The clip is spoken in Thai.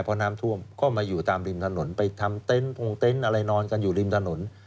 เพราะน้ำท่วมก็มาอยู่ตามริมถนนไปทำเต็นต์พงเต็นต์อะไรนอนกันอยู่ริมถนน